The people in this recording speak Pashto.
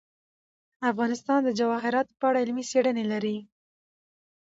افغانستان د جواهرات په اړه علمي څېړنې لري.